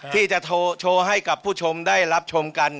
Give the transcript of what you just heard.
ที่จะโชว์ให้กับผู้ชมได้รับชมกัน